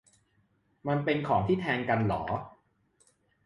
มันเป็นของที่แทนกันเหรอ ?